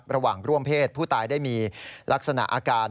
ร่วมเพศผู้ตายได้มีลักษณะอาการ